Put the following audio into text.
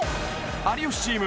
有吉チーム